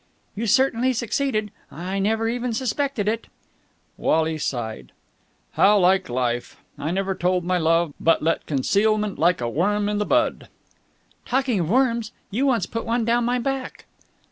"You certainly succeeded. I never even suspected it." Wally sighed. "How like life! I never told my love, but let concealment like a worm i' the bud...." "Talking of worms, you once put one down my back!"